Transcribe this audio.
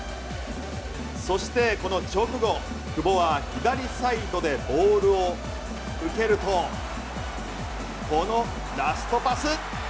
そしてこの直後、久保は左サイドでボールを受けるとこのラストパス。